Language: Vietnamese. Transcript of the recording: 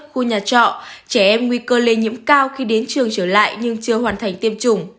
khu nhà trọ trẻ em nguy cơ lây nhiễm cao khi đến trường trở lại nhưng chưa hoàn thành tiêm chủng